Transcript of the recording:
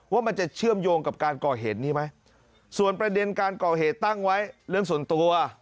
ว่ามันจะเชื่อมโยงกับการก่อเหตุนี้ไหมส่วนประเด็นการก่อเหตุตั้งไว้เรื่องส่วนตัว